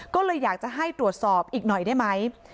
ก็เลยอยากจะให้ตรวจสอบอีกหน่อยได้ไหม